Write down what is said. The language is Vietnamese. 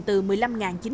từ một mươi năm đồng một ký